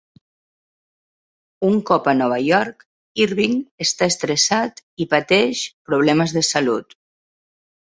Un cop a Nova York, Irving està estressat i pateix problemes de salut.